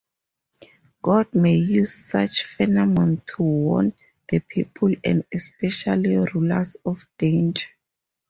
God may use such phenomena to warn the people, and especially rulers, of danger.